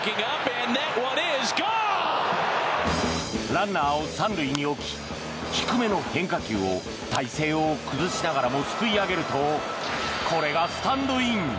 ランナーを３塁に置き低めの変化球を体勢を崩しながらもすくい上げるとこれがスタンドイン。